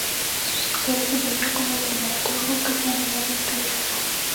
Se desempeñó como dramaturgo, que fue en el área en que destacó.